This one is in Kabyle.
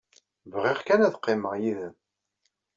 Bɣiɣ kan ad qqimeɣ yid-m.